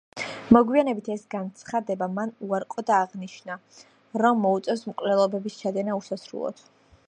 მოგვიანებით ეს განცხადება მან უარყო და აღნიშნა, რომ მოუწევს მკვლელობების ჩადენა უსასრულოდ.